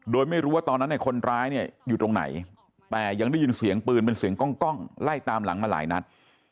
โดยไม่รู้ว่าตอนนั้นในคนร้ายเนี่ยอยู่ตรงไหนแต่ยังได้ยินเสียงปืนเป็นเสียงกล้องไล่ตามหลังมาหลายนัด